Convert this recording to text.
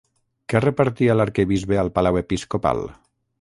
Què repartia l'arquebisbe al palau episcopal?